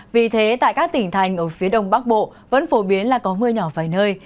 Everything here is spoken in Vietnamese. vì thế tại các tỉnh thành ở phía đông bắc bộ vẫn phổ biến là có mưa nhỏ vài nơi